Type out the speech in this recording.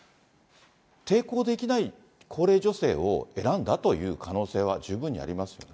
抵抗できない高齢女性を選んだという可能性は十分にありますよね。